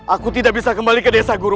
aku tidak bisa kembali ke desa guru